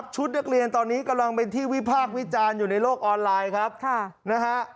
ชุดนักเรียนตอนนี้กำลังเป็นที่วิพากษ์วิจารณ์อยู่ในโลกออนไลน์ครับนะฮะ